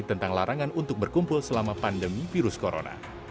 tentang larangan untuk berkumpul selama pandemi virus corona